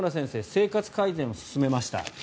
生活改善を勧めました。